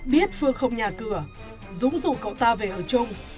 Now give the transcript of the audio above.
biết phương không nhà cửa dũng rủ cậu ta về ở chung